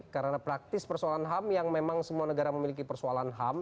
karena praktis persoalan ham yang memang semua negara memiliki persoalan ham